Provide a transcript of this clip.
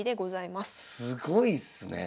すごいっすねえ。